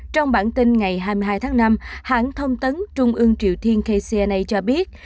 trong bản tin ngày hai mươi hai tháng năm hãng thông tấn trung ương triều tiên kcna cho biết